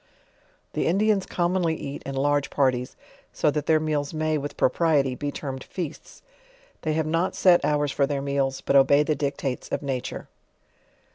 The Indians commonly eat in large parties, so that their meals may, with propriety, be termed feasts; they have not set hours for their meals, but obey the dictates of na ture.